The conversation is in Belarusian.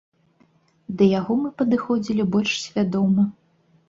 Да яго мы падыходзілі больш свядома.